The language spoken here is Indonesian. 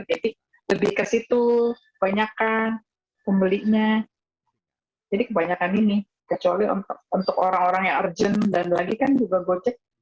jadi lebih ke situ kebanyakan pembelinya jadi kebanyakan ini kecuali untuk orang orang yang urgent dan lagi kan juga gojek